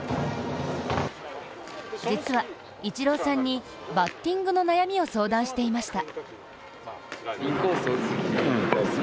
実は、イチローさんにバッティングの悩みを相談していました。